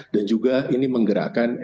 dan juga ini menggerakkan ekonomi